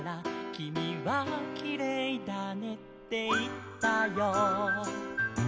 「きみはきれいだねっていったよ」